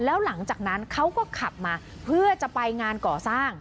แล้วหลังจากนั้นเขาก็ขับมาเพื่อจะไปงานก่อสร้าง